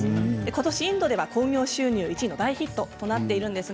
今年インドでは興行収入１位の大ヒットとなっています。